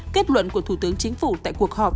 kết luận của thủ tướng chính phủ tại cuộc họp